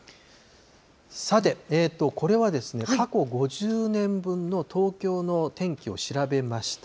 さて、これはですね、過去５０年分の東京の天気を調べました。